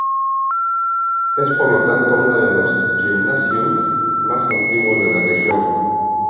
Es por lo tanto, uno de los "gymnasium" más antiguos de la región.